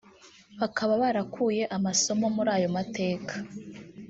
bakaba barakuye amasomo muri ayo mateka